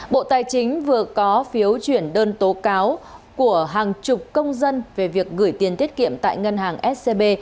bộ tài chính vừa có phiếu chuyển đơn tố cáo của hàng chục công dân về việc gửi tiền tiết kiệm tại ngân hàng scb